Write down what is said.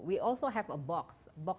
kita juga punya kotak